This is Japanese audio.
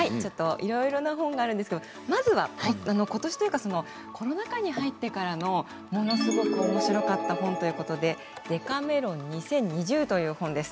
いろいろ本があるんですがコロナ禍に入ってからのものすごくおもしろかった本ということで「デカメロン２０２０」というものです。